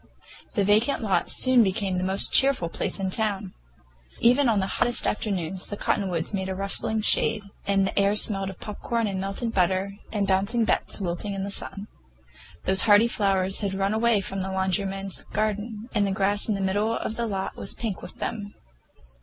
That vacant lot soon became the most cheerful place in town. Even on the hottest afternoons the cottonwoods made a rustling shade, and the air smelled of popcorn and melted butter, and Bouncing Bets wilting in the sun. Those hardy flowers had run away from the laundryman's garden, and the grass in the middle of the lot was pink with them.